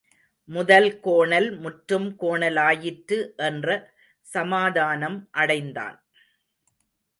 முதல் கோணல் முற்றும் கோணலாயிற்று என்ற சமாதானம் அடைந்தான்.